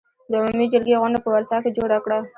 د عمومي جرګې غونډه په ورسا کې جوړه کړه.